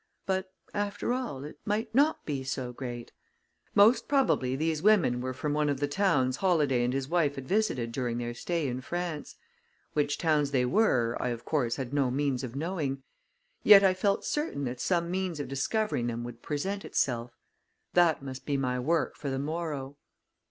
But, after all, it might not be so great. Most probably, these women were from one of the towns Holladay and his wife had visited during their stay in France. Which towns they were, I, of course, had no means of knowing; yet I felt certain that some means of discovering them would present itself. That must be my work for the morrow.